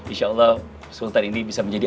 insya allah sultan ini bisa menjadi